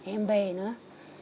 em về nữa